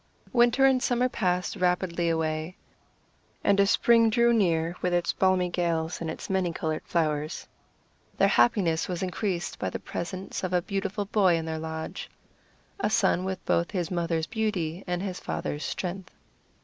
Winter and summer passed rapidly away, and as spring drew near with its balmy gales and its many colored flowers, their happiness was increased by the presence of a beautiful boy in their lodge, a son with both his mother's beauty and his father's strength.